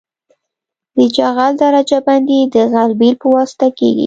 د جغل درجه بندي د غلبیل په واسطه کیږي